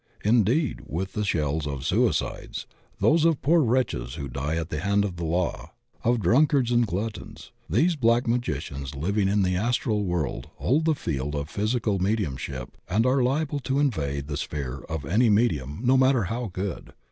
Indeed with the shells of suicides, of those poor wretches who die at the hand of the law, of drunkards and gluttons, these black magicians living in the astral world hold the field of physical mediumship and are liable to invade the sphere of any medium no matter how good.